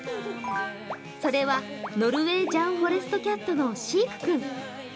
それはノルウェージャンフォレストキャットのシイク君。